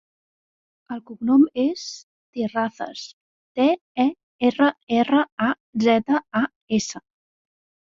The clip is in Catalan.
El cognom és Terrazas: te, e, erra, erra, a, zeta, a, essa.